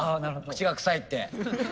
「口がくさい」って。